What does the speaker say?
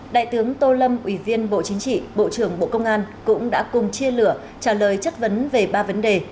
đại tướng tô lâm ủy viên bộ chính trị bộ trưởng bộ công an cũng đã cùng chia lửa trả lời chất vấn về ba vấn đề